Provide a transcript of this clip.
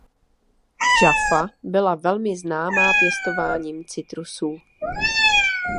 Jaffa byla velmi známá pěstováním citrusů.